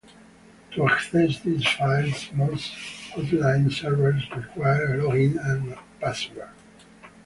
To access these files most Hotline servers required a login and password.